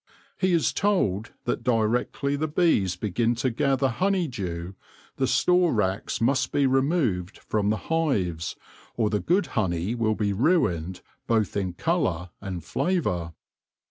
He is told that directly the bees begin to gather honeydew the store racks must be removed from the hives, or the good honey will be ruined both in colour and flavour.